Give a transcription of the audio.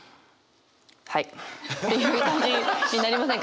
「はい」っていう感じになりませんか？